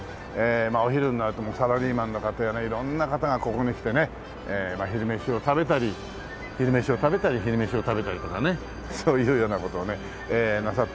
まあお昼になるともうサラリーマンの方や色んな方がここに来てねまあ昼飯を食べたり昼飯を食べたり昼飯を食べたりとかねそういうような事をねなさって